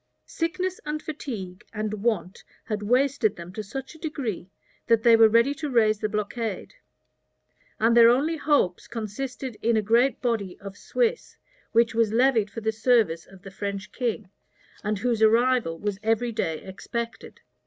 {1524.} Sickness, and fatigue, and want had wasted them to such a degree, that they were ready to raise the blockade; and their only hopes consisted in a great body of Swiss, which was levied for the service of the French king, and whose arrival was every day expected.